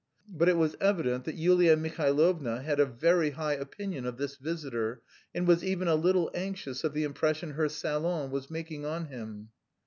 But it was evident that Yulia Mihailovna had a very high opinion of this visitor, and was even a little anxious of the impression her salon was making on him.